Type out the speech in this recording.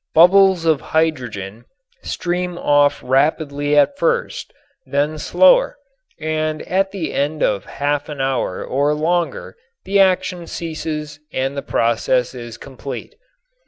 Bubbles of hydrogen stream off rapidly at first, then slower, and at the end of half an hour or longer the action ceases, and the process is complete.